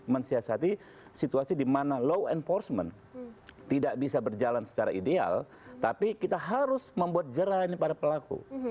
mensiasati situasi di mana law enforcement tidak bisa berjalan secara ideal tapi kita harus membuat jerah ini pada pelaku